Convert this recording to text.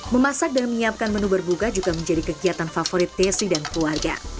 memasak dan menyiapkan menu berbuka juga menjadi kegiatan favorit desi dan keluarga